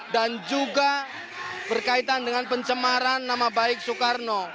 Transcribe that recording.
dan juga berkaitan dengan pencemaran nama baik soekarno